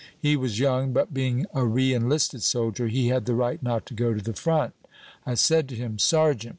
He was young, but being a re enlisted soldier, he had the right not to go to the front. I said to him, 'Sergeant!'